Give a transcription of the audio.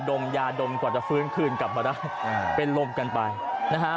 มยาดมกว่าจะฟื้นคืนกลับมาได้อ่าเป็นลมกันไปนะฮะ